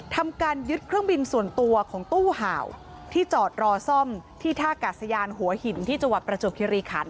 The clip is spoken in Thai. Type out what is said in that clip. ทำการยึดเครื่องบินส่วนตัวของตู้ห่าวที่จอดรอซ่อมที่ท่ากาศยานหัวหินที่จังหวัดประจวบคิริขัน